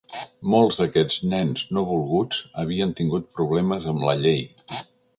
Molts d'aquests nens no volguts havien tingut problemes amb la llei.